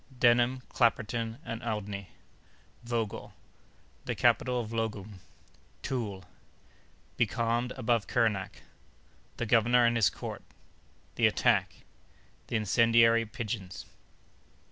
—Denham, Clapperton, and Oudney.—Vogel.—The Capital of Loggoum.—Toole.—Becalmed above Kernak.—The Governor and his Court.—The Attack.—The Incendiary Pigeons.